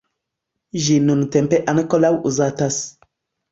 Ĝi nuntempe ankoraŭ uzatas.